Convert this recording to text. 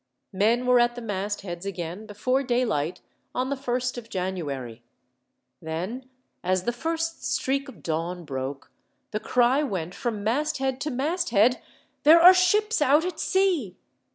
Men were at the mastheads again, before daylight, on the 1st of January. Then, as the first streak of dawn broke, the cry went from masthead to masthead: "There are ships out at sea!"